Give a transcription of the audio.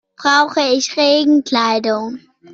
Brauche ich Regenkleidung?